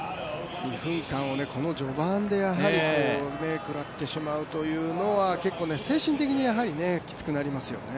２分間をこの序盤でくらってしまうというのは結構精神的にきつくなりますよね。